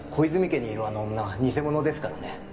家にいるあの女は偽者ですからね。